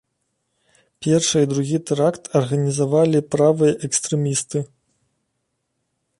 Першы і другі тэракт арганізавалі правыя экстрэмісты.